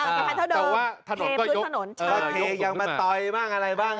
อ่าสะพานเท่าเดิมแต่ว่าถนนก็ยุ่งขึ้นขึ้นขึ้นขึ้นขึ้นขึ้นขึ้นโอเคยังมาต่อยบ้างอะไรบ้าง